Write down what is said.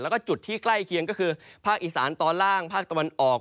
แล้วก็จุดที่ใกล้เคียงก็คือภาคอีสานตอนล่างภาคตะวันออก